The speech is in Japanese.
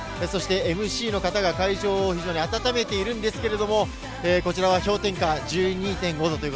そしてＭＣの方が会場を温めているんですけれども、こちらは氷点下１２．５度。